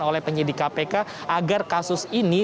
oleh penyidik kpk agar kasus ini